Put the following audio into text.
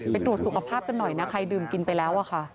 ตรวจสุขภาพกันหน่อยนะใครดื่มกินไปแล้วอะค่ะ